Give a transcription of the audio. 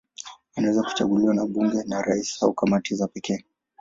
Anaweza kuchaguliwa na bunge, na rais au kamati za pekee.